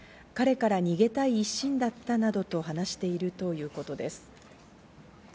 彼から逃げたい一心だったなどと話しているということです。